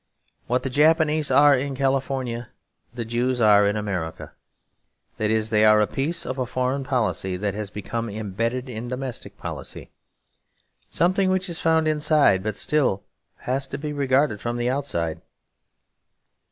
What the Japs are in California, the Jews are in America. That is, they are a piece of foreign policy that has become imbedded in domestic policy; something which is found inside but still has to be regarded from the outside.